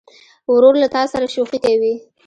ورور له تا سره شوخي کوي.